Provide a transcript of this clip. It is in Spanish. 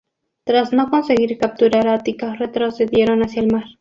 Tras no conseguir capturar Ática, retrocedieron hacia el mar.